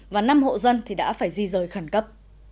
và năm hộ dân đã phải di rời khẩn cấp